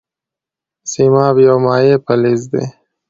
سیماب یو مایع فلز دی.